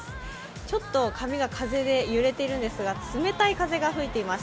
ちょっと髪が風で揺れているんですが、冷たい風が吹いています。